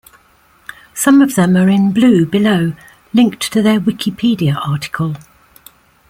Some of them are in blue below, linked to their Wikipedia article.